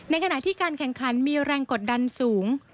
ขณะที่การแข่งขันมีแรงกดดันสูง